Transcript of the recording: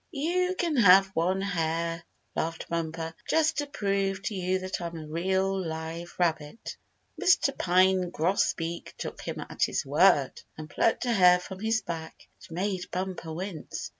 "You can have one hair," laughed Bumper, "just to prove to you that I'm a real live rabbit." Mr. Pine Grosbeak took him at his word, and plucked a hair from his back. It made Bumper wince.